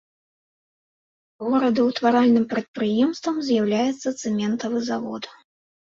Горадаўтваральным прадпрыемствам з'яўляецца цэментавы завод.